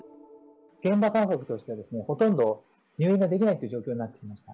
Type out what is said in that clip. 現場感覚としては、ほとんど入院ができないっていう状況になってきました。